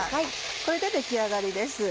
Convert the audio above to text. これで出来上がりです。